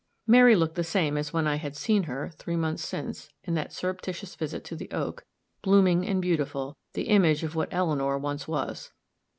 Mary looked the same as when I had seen her, three months since, in that surreptitious visit to the oak, blooming and beautiful, the image of what Eleanor once was.